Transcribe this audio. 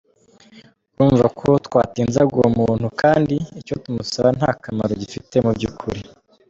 Urumva ko twatinzaga uwo muntu kandi icyo tumusaba nta kamaro gifite mu by’ukuri.